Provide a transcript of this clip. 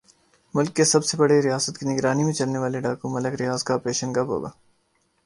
ملک کے سب سے بڑے ریاست کی نگرانی میں چلنے والے ڈاکو ملک ریاض کا آپریشن کب ھوگا